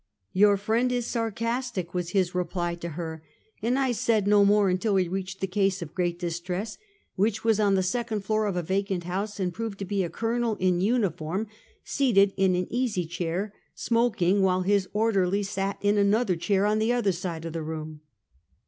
" Your friend is sarcastic," was his reply to her; and I said no more until we reached the case of great distress, which was on the second floor of a vacant house, and proved to be a colonel in uniform, seated in an easy chair, smoking, while his orderly sat in another chair, on the other side of the room.